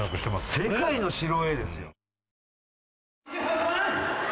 世界の白Ａですよ